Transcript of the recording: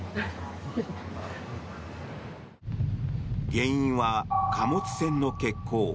原因は貨物船の欠航。